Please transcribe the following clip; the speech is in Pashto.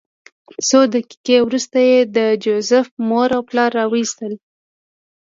څو دقیقې وروسته یې د جوزف مور او پلار راوویستل